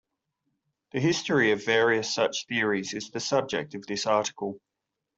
The history of various such theories is the subject of this article.